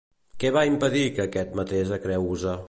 Què va impedir que aquest matés a Creusa?